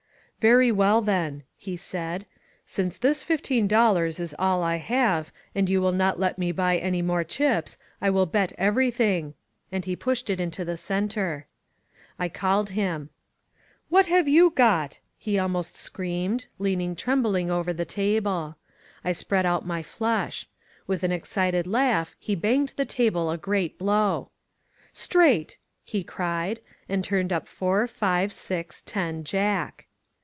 "Very well, then," he said. "Since this fifteen dol lars is all I have, and you will not let me buy any more chips, I will bet everything," and he pushed it into the center. I called him. "What have you got?" he almost screamed, leaning 285 INSURGENT MEXICO trembling over the table. I spread out my flush. With an excited laugh he banged the table a great blow. Straight!" he cried — and turned up four, five, six, ten. Jack.